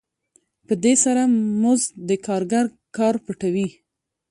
په دې سره مزد د کارګر کار پټوي